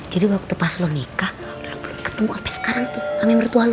jadi waktu pas lo nikah lo belum ketemu sampe sekarang tuh sama mertua lo